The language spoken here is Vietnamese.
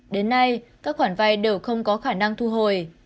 đến nay các khoản vay đều không có khả năng thu hồi